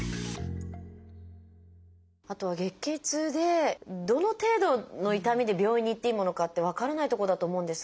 あとは月経痛でどの程度の痛みで病院に行っていいものかって分からないとこだと思うんですが。